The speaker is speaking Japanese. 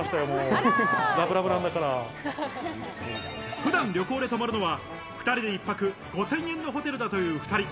普段、旅行で泊まるのは２人で一泊５０００円のホテルだという２人。